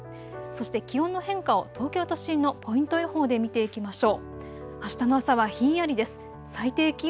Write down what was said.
そして気温の変化を東京都心のポイント予報で見ていきましょう。